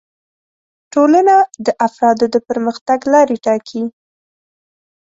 ټولنه د افرادو د پرمختګ لارې ټاکي